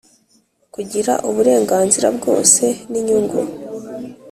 kugira uburenganzira bwose n inyungu